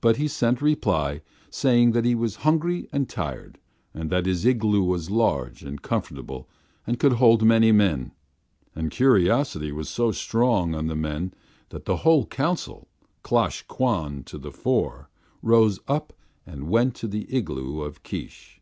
But he sent reply, saying that he was hungry and tired; also that his igloo was large and comfortable and could hold many men. And curiosity was so strong on the men that the whole council, Klosh Kwan to the fore, rose up and went to the igloo of Keesh.